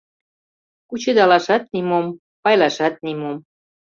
Кучедалашат нимом, пайлашат нимом.